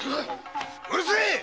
うるせえ！